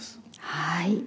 はい。